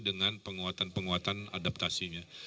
dengan penguatan penguatan adaptasinya